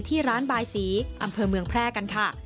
ที่ร้านบายสีอำเภอเมืองแพร่กันค่ะ